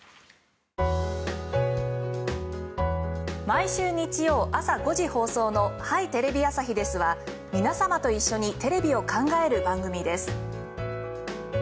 「毎週日曜あさ５時放送の『はい！テレビ朝日です』は皆さまと一緒にテレビを考える番組です」